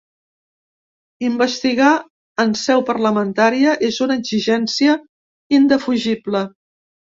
Investigar en seu parlamentària és una exigència indefugible.